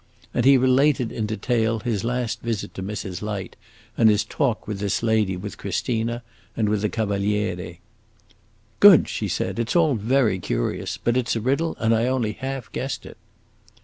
And he related, in detail, his last visit to Mrs. Light and his talk with this lady, with Christina, and with the Cavaliere. "Good," she said; "it 's all very curious. But it 's a riddle, and I only half guess it."